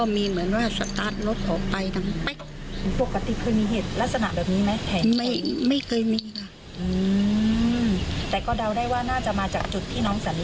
มีเหตุการณ์อย่างนี้ชาวบ้านกลัวกันไหม